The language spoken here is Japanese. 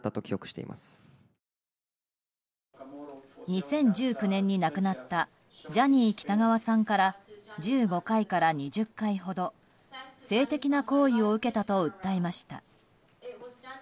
２０１９年に亡くなったジャニー喜多川さんから１５回から２０回ほど性的な行為を受けたと訴えました。